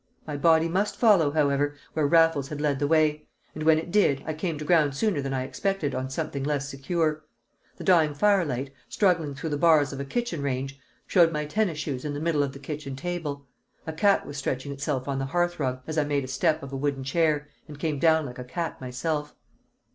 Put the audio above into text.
My body must follow, however, where Raffles had led the way; and when it did I came to ground sooner than I expected on something less secure. The dying firelight, struggling through the bars of a kitchen range, showed my tennis shoes in the middle of the kitchen table. A cat was stretching itself on the hearth rug as I made a step of a wooden chair, and came down like a cat myself.